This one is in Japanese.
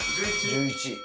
１１。